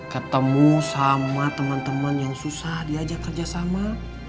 ketemu sama teman teman yang susah diajak kerjasama